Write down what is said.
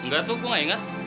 enggak tuh gue gak inget